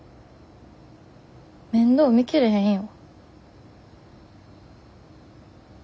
面倒見切れへんよ。